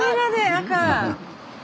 赤。